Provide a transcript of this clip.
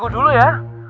sampai rela tolong ya